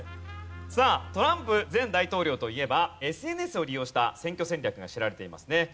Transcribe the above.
さあトランプ前大統領といえばＳＮＳを利用した選挙戦略が知られていますね。